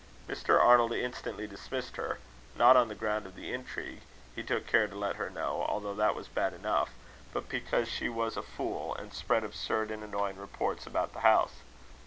Mr. Arnold instantly dismissed her not on the ground of the intrigue, he took care to let her know, although that was bad enough, but because she was a fool, and spread absurd and annoying reports about the house.